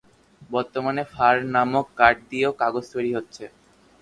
বর্তমানে ফার নামের কাঠ দিয়েও কাগজ তৈরি হচ্ছে।